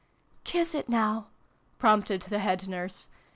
77 " Kiss it now !" prompted the Head Nurse.